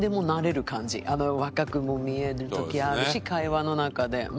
若くも見える時あるし会話の中で。